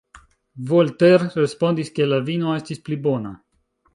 Voltaire respondis, ke la vino estis pli bona.